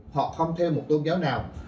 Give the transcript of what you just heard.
hoặc không theo một tôn giáo nào